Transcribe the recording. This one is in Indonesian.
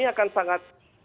ini akan sangat tidak nyatakan